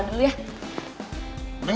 aduh sudah sehat sekarang